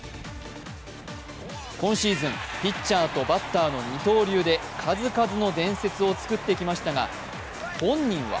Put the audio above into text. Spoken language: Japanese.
今シーズン、ピッチャーとバッターの二刀流で数々の伝説をつくってきましたが、本人は